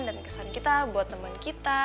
dan kesan kita buat temen kita